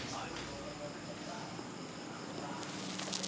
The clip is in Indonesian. assalamualaikum warahmatullahi wabarakatuh